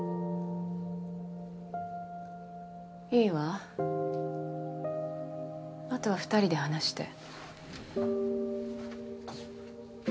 いいわあとは２人で話して。